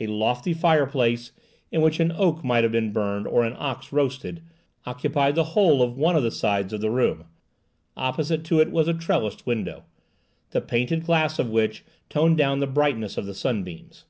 A lofty fireplace, in which an oak might have been burned or an ox roasted, occupied the whole of one of the sides of the room; opposite to it was a trellised window, the painted glass of which toned down the brightness of the sunbeams.